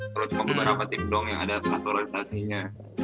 kalau cuma beberapa tip doang yang ada naturalisasinya